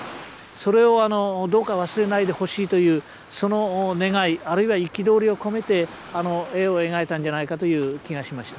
それをどうか忘れないでほしいというその願いあるいは憤りを込めてあの絵を描いたんじゃないかという気がしました。